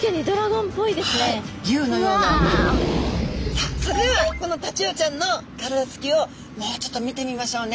さあそれではこのタチウオちゃんの体つきをもうちょっと見てみましょうね。